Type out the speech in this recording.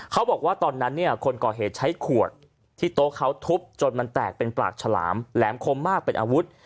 เขาบอกว่าตอนนั้นเนี่ยคนก่อเหตุใช้ขวดที่โต๊ะเขาทุบจนมันแตกเป็นปากฉลามแหลมคมมากเป็นอาวุธ